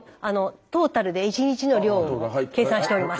トータルで１日の量を計算しております。